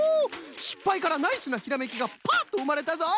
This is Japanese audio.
しっぱいからナイスなひらめきがパッとうまれたぞい！